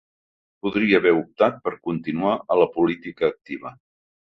Podria haver optat per continuar a la política activa.